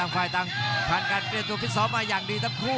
ผ่านกันเปลี่ยนตัวพิทลิสต์ออกมาอย่างดีทั้งคู่